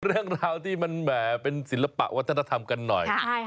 เรื่องราวที่มันแหมเป็นศิลปะวัฒนธรรมกันหน่อย